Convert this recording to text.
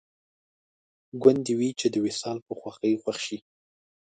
ګوندې وي چې د وصال په خوښۍ خوښ شي